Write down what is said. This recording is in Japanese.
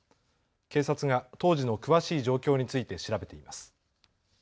警察が当時の詳しい状況について調べています。